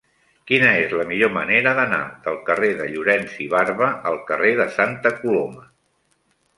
Quina és la millor manera d'anar del carrer de Llorens i Barba al carrer de Santa Coloma?